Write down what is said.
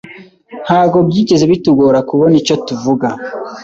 Ntabwo byigeze bitugora kubona icyo tuvuga.